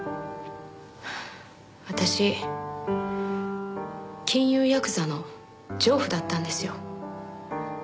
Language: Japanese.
私金融ヤクザの情婦だったんですよ。